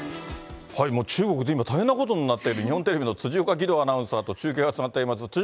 もう中国で大変なことになっている日本テレビの辻岡義堂アナウンサーと中継がつながっています。